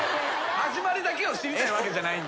始まりだけを知りたいわけじゃないんで。